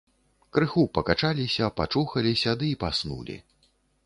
Крыху пакачаліся, пачухаліся ды і паснулі.